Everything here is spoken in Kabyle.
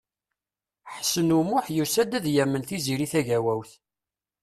Ḥsen U Muḥ yusa-d ad yamen Tiziri Tagawawt.